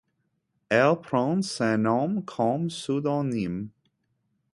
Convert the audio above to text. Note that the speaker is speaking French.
Elle prend ce nom comme pseudonyme.